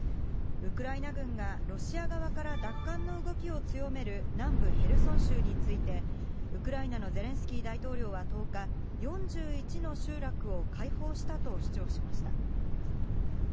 ウクライナ軍がロシア側から奪還の動きを強める南部ヘルソン州について、ウクライナのゼレンスキー大統領は１０日、４１の集落を解放したと主張しました。